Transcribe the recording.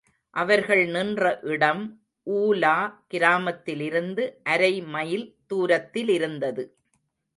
அவர்கள் நின்ற இடம் ஊலா கிராமத்திலிருந்து அரை மைல் தூரத்திலிருந்தது.